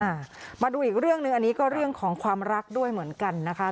มาดูอีกเรื่องหนึ่งอันนี้ก็เรื่องของความรักด้วยเหมือนกันนะคะ